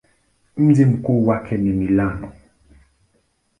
Mji mkuu wake ni Milano.